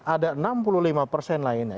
ada enam puluh lima persen lainnya